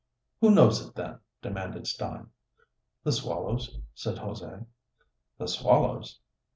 "Who knows it then?" demanded Stein. "The swallows," said José. "The swallows?"